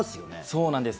そうなんです。